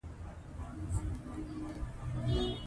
په تېرو کلونو کې ازادي راډیو د عدالت په اړه راپورونه خپاره کړي دي.